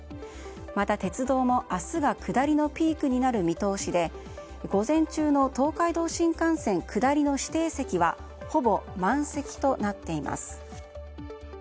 また鉄道も明日が下りのピークになる見通しで午前中の東海道新幹線の下りの指定席はほぼ満席となっています。